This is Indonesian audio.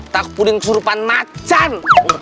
takut pudin kesurupan macan